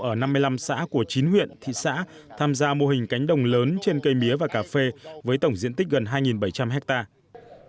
hiện toàn tỉnh có khoảng một một trăm linh hộ ở năm mươi năm xã của chín huyện thị xã tham gia mô hình cánh đồng lớn trên cây mía và cà phê với tổng diện tích gần hai bảy trăm linh hectare